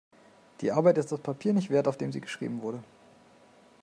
Die Arbeit ist das Papier nicht wert, auf dem sie geschrieben wurde.